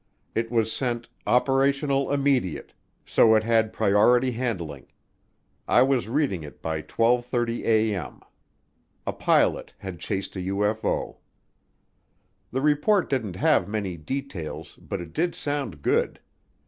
It was sent "Operational Immediate," so it had priority handling; I was reading it by 12:30A.M. A pilot had chased a UFO. The report didn't have many details but it did sound good.